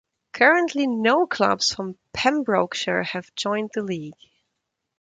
Currently no clubs from Pembrokeshire have joined the league.